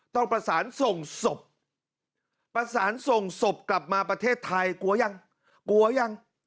ต้องประสานส่งศพประสานส่งศพกลับมาประเทศไทยกลัวยังกลัวยัง